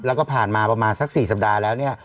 แล้วก็ผ่านมาประมาณสัก๔สัปดาห์แล้วเนี่ย